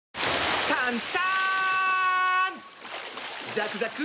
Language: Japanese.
ザクザク！